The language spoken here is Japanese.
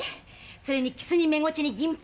それにキスにメゴチにギンポ！